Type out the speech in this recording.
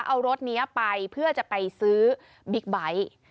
เอารถนี้ไปเพื่อจะไปซื้อบิ๊กไบท์